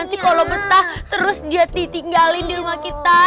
nanti kalau betah terus dia ditinggalin di rumah kita